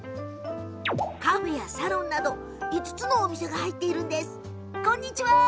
カフェやサロンなど５つのお店が入っているんです。